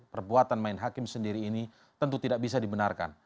perbuatan main hakim sendiri ini tentu tidak bisa dibenarkan